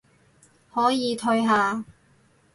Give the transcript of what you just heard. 可以退下